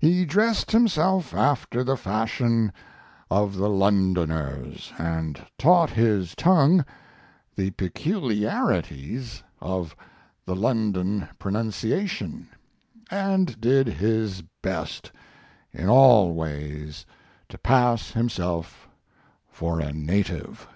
He dressed himself after the fashion of the Londoners, and taught his tongue the peculiarities of the London pronunciation and did his best in all ways to pass himself for a native.